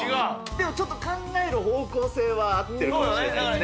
でも、ちょっと考える方向性は合ってるかもしれないですね。